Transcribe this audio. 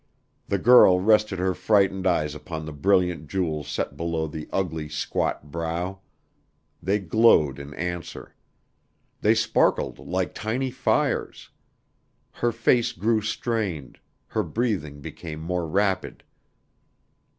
The girl rested her frightened eyes upon the brilliant jewels set below the ugly, squat brow. They glowed in answer. They sparkled like tiny fires. Her face grew strained her breathing became more rapid.